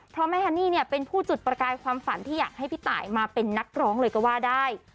เพราะแม่ฮันนี่เนี่ยเป็นผู้จุดประกายความฝันที่อยากให้พี่ตายมาเป็นนักร้องเลยก็ว่าได้